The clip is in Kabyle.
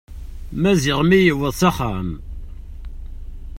Maziɣ mi yewweḍ s axxam.